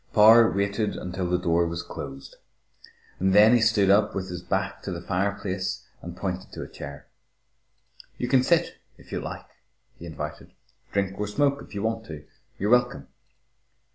Power waited until the door was closed. Then he stood up with his back to the fireplace and pointed to a chair. "You can sit, if you like," he invited. "Drink or smoke if you want to. You're welcome."